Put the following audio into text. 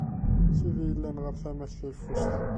Sidi yellan ɣer tama-k tayeffust.